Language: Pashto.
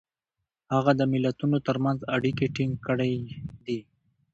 هغه د ملتونو ترمنځ اړیکې ټینګ کړي دي.